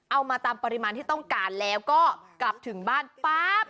เอามาตามปริมาณที่ต้องการแล้วก็กลับถึงบ้านปั๊บ